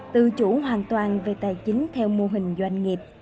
tự chủ hoàn toàn về tài chính theo mô hình doanh nghiệp